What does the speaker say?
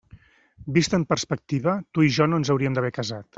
Vist en perspectiva, tu i jo no ens hauríem d'haver casat.